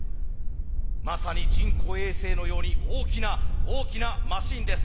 まさに人工衛星のように大きな大きなマシンです。